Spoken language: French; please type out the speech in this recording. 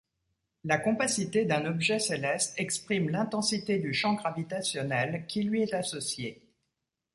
La compacité d'un objet céleste exprime l'intensité du champ gravitationnel qui lui est associé.